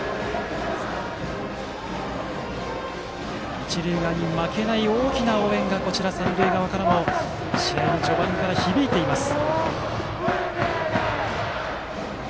一塁側に負けない大きな応援が、三塁側からも試合の序盤から響いています。